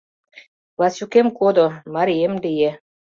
Васюкем кодо, марием лие...